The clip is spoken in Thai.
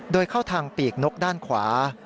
โดยเข้าทางปีกนกด้านขวา